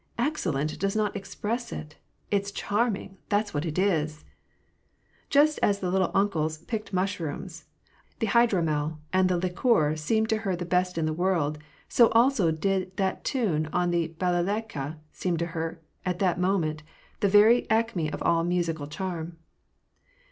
" Excellent does not express it : it's charming, that's what it is !" Just as the "little uncle's " pickled mushrooms, the bydromel, and the liqueur seemed to her the best in the world, so also did that tune on the halaZaika seem to her, at that moment, the very acme of all musical charm.